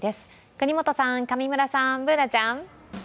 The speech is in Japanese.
國本さん、上村さん、Ｂｏｏｎａちゃん。